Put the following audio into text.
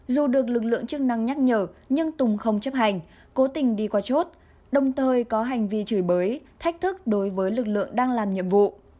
dù được lực lượng chức năng nhắc nhở nhưng tùng không chấp hành cố tình đi qua chốt đồng thời có hành vi chửi bới thách thức đối với lực lượng đang làm nhiệm vụ